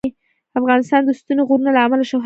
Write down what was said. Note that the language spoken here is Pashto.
افغانستان د ستوني غرونه له امله شهرت لري.